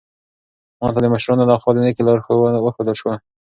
ما ته د مشرانو لخوا د نېکۍ لار وښودل شوه.